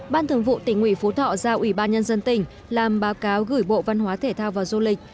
ban thường vụ tỉnh ủy phú thọ giao ủy ban nhân dân tỉnh làm báo cáo gửi bộ văn hóa thể thao và du lịch